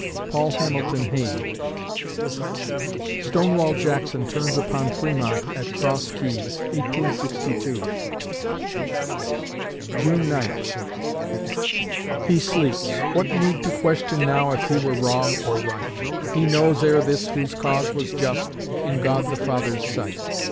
PAUL HAMILTON HAYNE Stonewall Jackson turns upon Fremont at Cross Keys, 1862 June Ninth He sleeps what need to question now If he were wrong or right? He knows ere this whose cause was just In God the Father's sight.